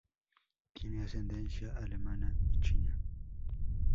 Tiene ascendencia alemana y china.